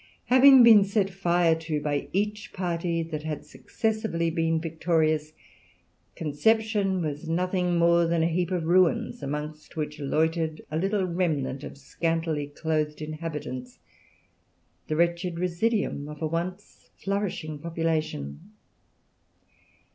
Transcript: Having been set fire to by each party that had successively been victorious, Conception was nothing more than a heap of ruins, amongst which loitered a little remnant of scantily clothed inhabitants, the wretched residuum of a once flourishing population.